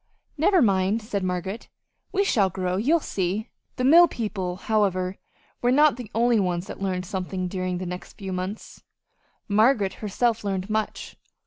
"Never mind," said Margaret, "we shall grow. You'll see!" The mill people, however, were not the only ones that learned something during the next few months. Margaret herself learned much.